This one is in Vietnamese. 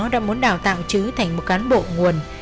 đã muốn đào tạo chứ thành một cán bộ nguồn